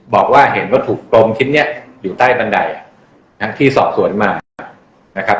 บอกว่าเห็นว่าถูกกลมคิดอยู่ใต้บันไดที่สอบสวนมา